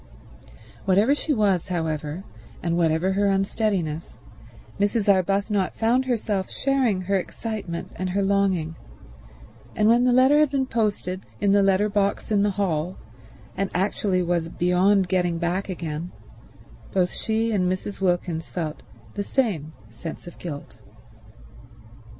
Whatever she was, however, and whatever her unsteadiness, Mrs. Arbuthnot found herself sharing her excitement and her longing; and when the letter had been posted in the letter box in the hall and actually was beyond getting back again, both she and Mrs. Wilkins felt the same sense of guilt.